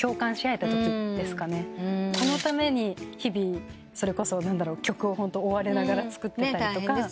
このために日々曲を追われながら作ってたりとか。